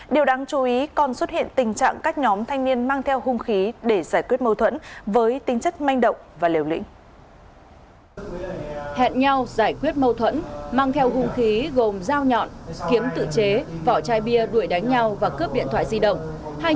điều đáng chú ý còn xuất hiện tình trạng các nhóm thanh niên mang theo hung khí để giải quyết mâu thuẫn với tính chất manh động và liều lĩnh